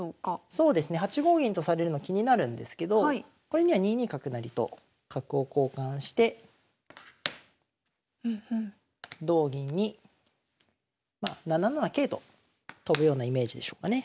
そうですね８五銀とされるの気になるんですけどこれには２二角成と角を交換して同銀に７七桂と跳ぶようなイメージでしょうかね。